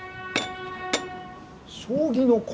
将棋の駒？